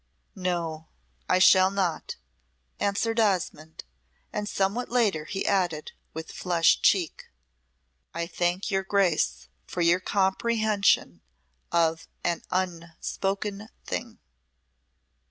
"No, I shall not," answered Osmonde, and somewhat later he added, with flushed cheek, "I thank your Grace for your comprehension of an unspoken thing."